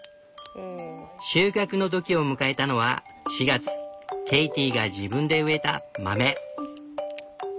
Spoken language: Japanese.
収穫の時を迎えたのは４月ケイティが自分で植えた豆。